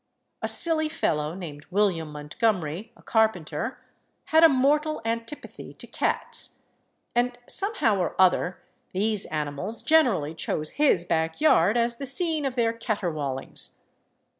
A silly fellow, named William Montgomery, a carpenter, had a mortal antipathy to cats; and somehow or other these animals generally chose his back yard as the scene of their catterwaulings.